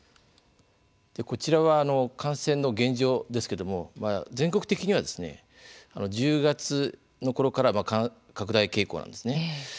こちらは感染の現状ですけども全国的には１０月のころから拡大傾向なんですね。